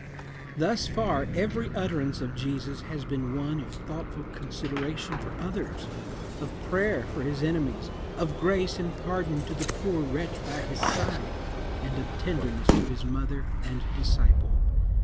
Thus far, every utterance of Jesus has been one of thoughtful consideration for others, of prayer for his enemies, of grace and pardon to the poor wretch by his side, and of tenderness to his mother and disciple.